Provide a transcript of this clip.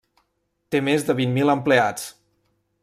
Té més de vint mil empleats.